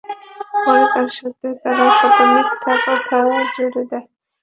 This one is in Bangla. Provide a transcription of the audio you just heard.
পরে তার সাথে তারা শত মিথ্যা কথা জুড়ে দেয়।